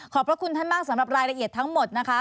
พระคุณท่านมากสำหรับรายละเอียดทั้งหมดนะคะ